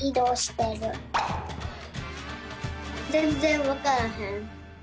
ぜんぜんわからへん。